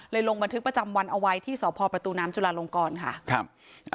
ลงบันทึกประจำวันเอาไว้ที่สพประตูน้ำจุลาลงกรค่ะครับ